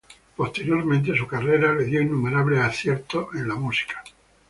Posteriormente su carrera le dio innumerables aciertos en la música.